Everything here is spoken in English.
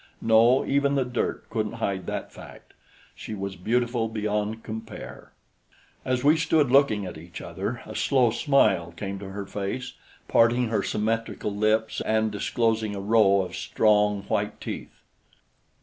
No, even the dirt couldn't hide that fact; she was beautiful beyond compare. As we stood looking at each other, a slow smile came to her face, parting her symmetrical lips and disclosing a row of strong white teeth.